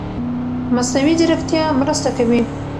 مصنوعي ځيرکتیا مرسته کوي.